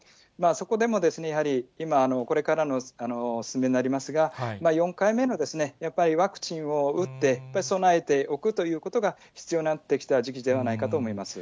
そこでもやはり、今、これからのお勧めになりますが、４回目のやっぱりワクチンを打って、やっぱり備えておくということが、必要になってきた時期ではないかと思います。